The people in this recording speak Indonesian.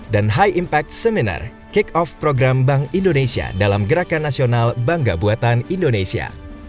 dan high impact seminar kick off program bank indonesia dalam gerakan nasional bangga buatan indonesia